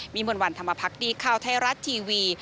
มวลวันธรรมพักดีข่าวไทยรัฐทีวี